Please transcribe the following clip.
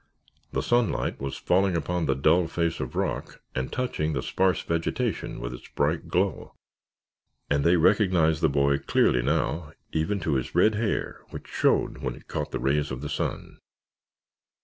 The sunlight was falling upon the dull face of rock and touching the sparse vegetation with its bright glow, and they recognized the boy clearly now, even to his red hair which shone when it caught the rays of the sun.